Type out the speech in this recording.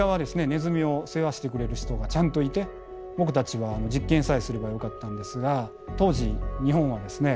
ネズミを世話してくれる人がちゃんといて僕たちは実験さえすればよかったんですが当時日本はですね